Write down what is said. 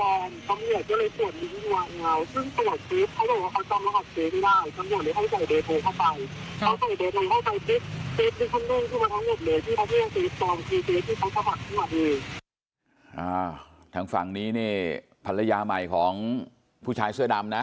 ทางฝั่งนี้นี่ภรรยาใหม่ของผู้ชายเสื้อดำนะ